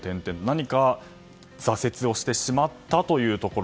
何か挫折をしてしまったというところ。